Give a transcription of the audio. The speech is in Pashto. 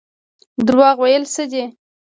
دروغ ویل څه دي؟